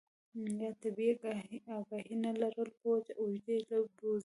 يا طبي اګاهي نۀ لرلو پۀ وجه اوږدې له بوځي